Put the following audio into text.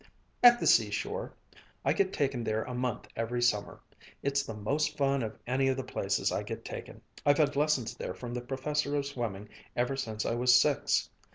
"At the seashore! I get taken there a month every summer. It's the most fun of any of the places I get taken. I've had lessons there from the professor of swimming ever since I was six.